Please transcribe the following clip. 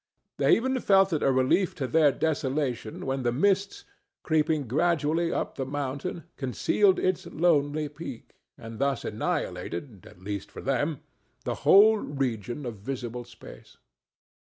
They even felt it a relief to their desolation when the mists, creeping gradually up the mountain, concealed its lonely peak, and thus annihilated—at least, for them—the whole region of visible space.